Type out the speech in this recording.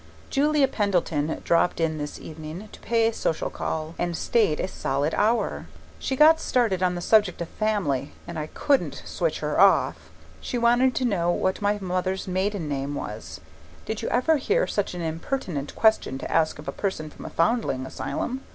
Julia Pendleton dropped in this evening to pay a social call, and stayed a solid hour. She got started on the subject of family, and I COULDN'T switch her off. She wanted to know what my mother's maiden name was did you ever hear such an impertinent question to ask of a person from a foundling asylum?